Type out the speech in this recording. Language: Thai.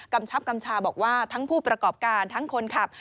ชับกำชาบอกว่าทั้งผู้ประกอบการทั้งคนขับ